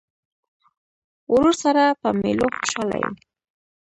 ورور سره په مېلو خوشحاله یې.